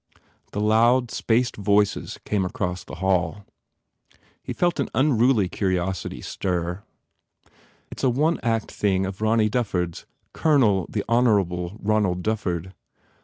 The loud, spaced voices came across the hall. He felt an unruly curiosity stir. "It s a one act thing of Ronny Dufford s Colonel the Honourable Ronald Dufford.